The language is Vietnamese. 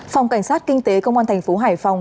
phòng cảnh sát kinh tế công an thành phố hải phòng